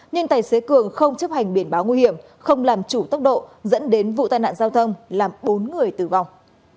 nhưng tài xế cường không chấp hành biển báo nguy hiểm không làm chủ tốc độ dẫn đến vụ tai nạn giao thông làm bốn người tử vong